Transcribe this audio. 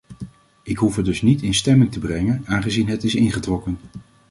Ik hoef het dus niet in stemming te brengen, aangezien het is ingetrokken.